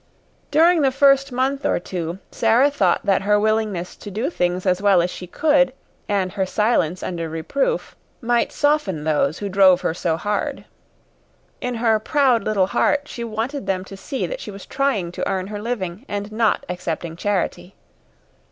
During the first month or two, Sara thought that her willingness to do things as well as she could, and her silence under reproof, might soften those who drove her so hard. In her proud little heart she wanted them to see that she was trying to earn her living and not accepting charity.